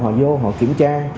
họ vô họ kiểm tra